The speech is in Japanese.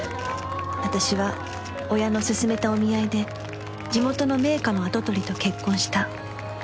私は親のすすめたお見合いで地元の名家の跡取りと結婚した